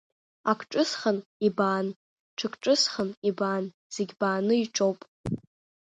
Ак ҿысхын, ибаан, ҽак ҿысхын, ибаан, зегь бааны иҿоуп.